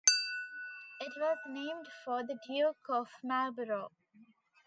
It was named for the Duke of Marlborough.